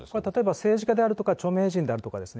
政治家であるとか著名人であるとかですね。